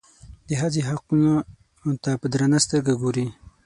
د ښځې حقونو ته په درنه سترګه وګوري.